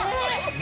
何？